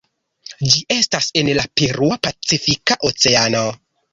Ĝi estas en la Perua Pacifika Oceano.